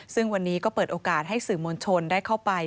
ซึ่งวันนี้ก็เปิดโอกาสให้สื่อมวลชนได้เข้าไป